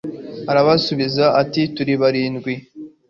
arabasubiza ati turi barindwi